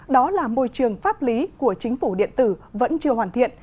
đó là môi trường pháp lý của chính phủ điện tử vẫn chưa hoàn thiện